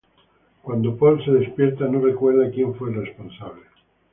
Cuando Paul se despierta no recuerda quien fue el responsable.